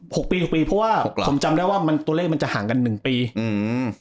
หกปีหกปีเพราะว่าผมจำได้ว่ามันตัวเลขมันจะห่างกันหนึ่งปีอืม